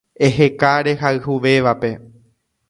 Eheka rehayhuvévape